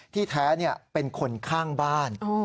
แท้เป็นคนข้างบ้าน